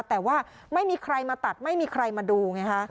แต่ว่าไม่มีใครมาตัดไม่มีใครมาดูไงฮะ